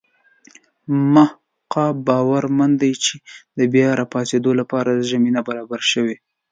مح ق باورمن دی چې د بیا راپاڅېدو لپاره زمینه برابره شوې.